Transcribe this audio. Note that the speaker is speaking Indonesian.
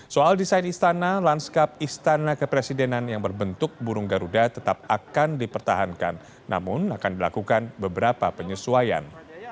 soal desain istana lanskap istana kepresidenan yang berbentuk burung garuda tetap akan dipertahankan namun akan dilakukan beberapa penyesuaian